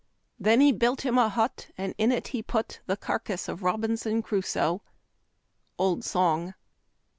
Then lie built him a hut, Aiid in it he put The carcass of Robinson Crusoe. Old Song.